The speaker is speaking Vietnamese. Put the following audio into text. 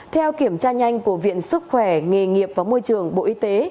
theo kiểm tra nhanh của viện sức khỏe nghề nghiệp và môi trường bộ y tế